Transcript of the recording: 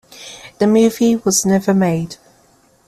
The movie was never made.